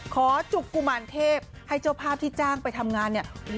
ขอจุกกุมารเทพให้เจ้าภาพที่จ้างไปทำงานเนี่ย